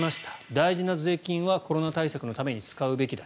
大事な税金はコロナ対策のために使うべきだ。